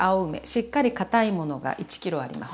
しっかり堅いものが１ｋｇあります。